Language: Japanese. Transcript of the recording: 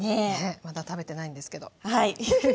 まだ食べてないんですけど。